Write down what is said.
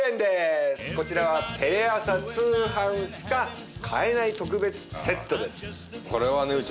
こちらはテレ朝通販しか買えない特別セットです。